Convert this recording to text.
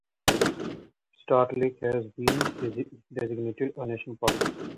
Star Lake has been designated a national park.